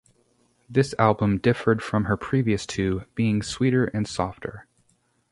This album differed from her previous two, being sweeter and softer.